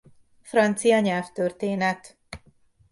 Francia nyelvtörténet.